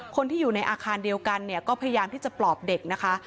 คนที่อยู่ในอาคารเดียวกันเนี่ยก็พยายามที่จะปลอบเด็กนะคะ